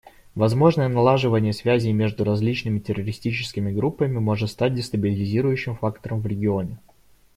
Возможное налаживание связей между различными террористическими группами может стать дестабилизирующим фактором в регионе.